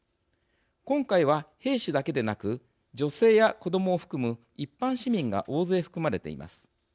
今回は、兵士だけでなく女性や子どもを含む一般市民が大勢、含まれています。